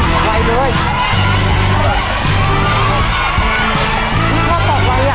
ไวเลย